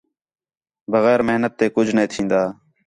بغیر محنت تے کُج نے تِھین٘دا